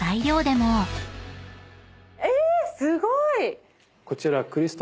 えっ⁉すごい！